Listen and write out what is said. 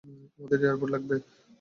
আমাদের air support লাগবে।